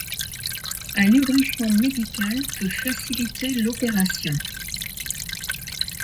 Un lubrifiant médical peut faciliter l'opération.